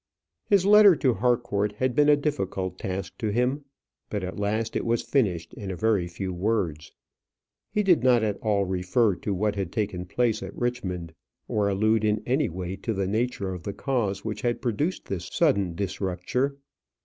His letter to Harcourt had been a difficult task to him, but at last it was finished in a very few words. He did not at all refer to what had taken place at Richmond, or allude in any way to the nature of the cause which had produced this sudden disrupture.